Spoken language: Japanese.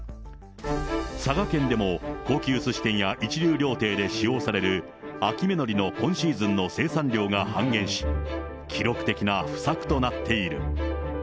佐賀県でも、高級すし店や一流料亭で使用される秋芽のりの今シーズンの生産量が半減し、記録的な不作となっている。